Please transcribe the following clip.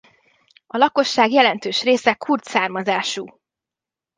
A lakosság jelentős része kurd származású.